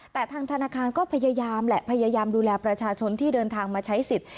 แต่ทางธนาคารก็พยายามแหละพยายามดูแลประชาชนที่เดินทางมาใช้สิทธิ์